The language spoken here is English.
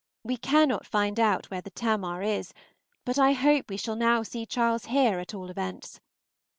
We cannot find out where the "Tamar" is, but I hope we shall now see Charles here at all events.